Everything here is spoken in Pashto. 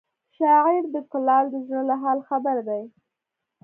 شاعر د کلال د زړه له حاله خبر دی